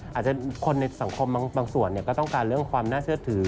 คนในสังคมบางส่วนก็ต้องการเรื่องความน่าเชื่อถือ